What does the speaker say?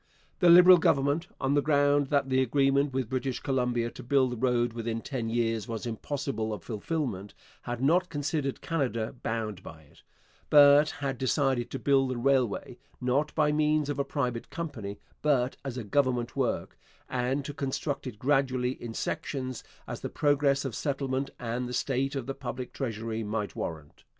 The Liberal Government, on the ground that the agreement with British Columbia to build the road within ten years was impossible of fulfilment, had not considered Canada bound by it, but had decided to build the railway, not by means of a private company, but as a government work, and to construct it gradually in sections as the progress of settlement and the state of the public treasury might warrant.